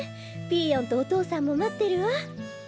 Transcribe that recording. ピーヨンとお父さんもまってるわ。